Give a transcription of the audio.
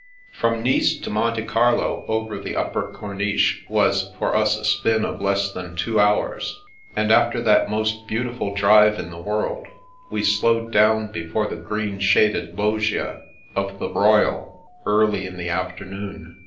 From Nice to Monte Carlo over the Upper Comiche, was for us a spin of less than two hours ; and after that most beautiful drive in the world, we slowed down before the green shaded loggia of the Royal, early in the afternoon.